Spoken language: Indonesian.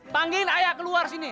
kangen sama raka nih